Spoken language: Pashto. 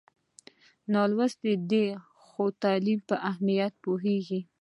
نالوستی دی خو د تعلیم په اهمیت پوهېږي.